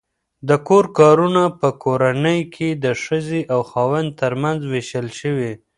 د کور کارونه په کورنۍ کې د ښځې او خاوند ترمنځ وېشل شوي.